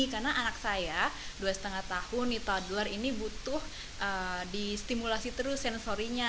karena anak saya dua lima tahun ini butuh di stimulasi terus sensorinya